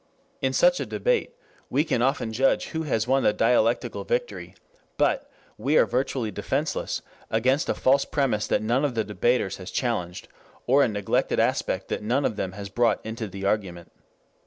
In such a debate we can often judge who has won the dialectical victory, but we are virtually defenseless against a false premise that none of the debaters has challenged, or a neglected aspect that none of them has brought into the argument.